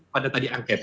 pada tadi angket